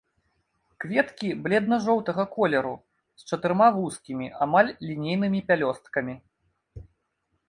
Кветкі бледна-жоўтага колеру, з чатырма вузкімі, амаль лінейнымі пялёсткамі.